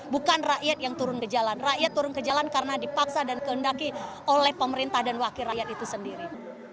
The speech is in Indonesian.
bukan rakyat yang turun ke jalan rakyat turun ke jalan karena dipaksa dan kehendaki oleh pemerintah dan wakil rakyat itu sendiri